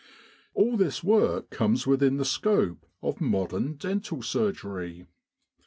All this work comes within the scope of modern dental surgery.